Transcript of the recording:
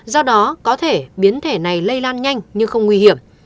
do đó có thể biến thể này lây lan nhanh nhưng không nguy hiểm